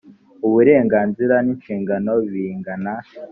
uburenganzira n inshingano bingana